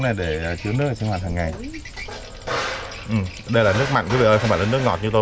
này để chứa nước sinh hoạt hàng ngày đây là nước mặn với bây giờ không phải là nước ngọt như tôi